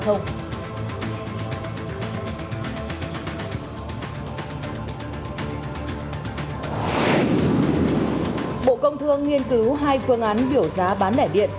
bộ công thương nghiên cứu hai phương án biểu giá bán lẻ điện